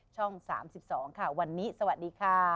ช่อง๓๒ค่ะวันนี้สวัสดีค่ะ